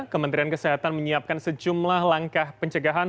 kementerian kesehatan menyiapkan sejumlah langkah pencegahan